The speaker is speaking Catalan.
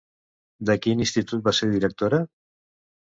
De quin institut va ser directora?